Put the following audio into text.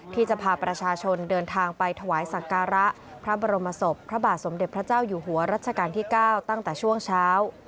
ที่จะพาประชาชนเดินทางไปถวายสักการะพระบรมศพพระบาทสมเด็จพระเจ้าอยู่หัวรัชกาลที่๙ตั้งแต่ช่วงเช้า